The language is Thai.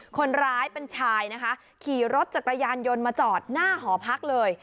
คนร้ายเป็นชายนะคะขี่รถจักรยานยนต์มาจอดหน้าหอพักเลย